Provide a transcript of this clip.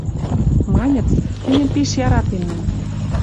Маньыц: «Тӹньӹм пиш яратем мӹнь».